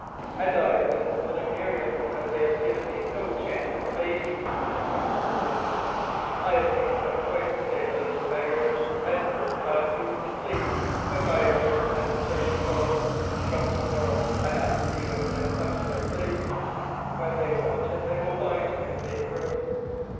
"And I have been scolding Miriam because they have given me no chance with the baby," rumbled Adare. "I have seen him but twice to day the little beggar! And both times he was asleep. But I have forced them to terms, Philip. From to morrow I am to have him as much as I please. When they want him they will find him in the big room."